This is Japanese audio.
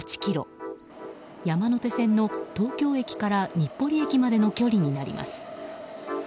山手線の東京駅から日暮里駅までの距離になります。